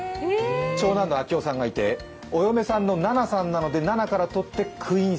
長男の晃生さんがいてお嫁さんの奈々さんなので奈々からとってクイーン